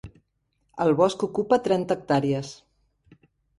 El bosc ocupa trenta hectàrees.